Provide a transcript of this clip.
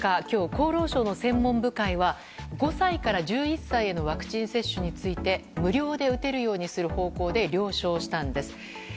今日、厚労省の専門部会は５歳から１１歳へのワクチン接種について無料で打てるようにする方向で了承したんです。